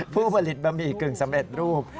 ผู้ผลิตบะหมี่กึ่งสำเร็จรูป